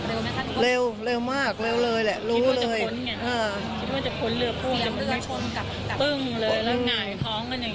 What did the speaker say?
พูดสิทธิ์ข่าวธรรมดาทีวีรายงานสดจากโรงพยาบาลพระนครศรีอยุธยาครับ